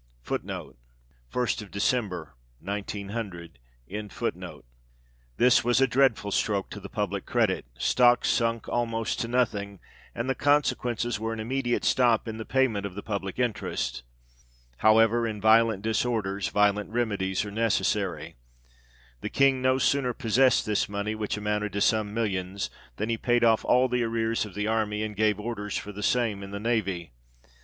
1 This was a dreadful stroke to the public credit ; stocks sunk almost to nothing, and the consequences were an immediate stop in the payment of the public interest. However, in violent disorders, violent remedies are necessary. The King no sooner possessed this money, which amounted to some millions, than he paid off all the arrears of the army, and gave orders for the same in the navy.